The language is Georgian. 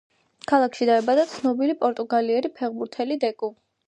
ქალაქში დაიბადა ცნობილი პორტუგალიელი ფეხბურთელი დეკუ.